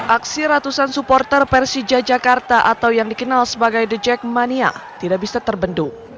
aksi ratusan supporter persija jakarta atau yang dikenal sebagai the jackmania tidak bisa terbendung